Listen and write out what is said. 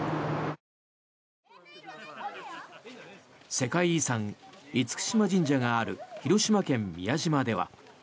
世界遺産・厳島神社がある広島県・宮島では。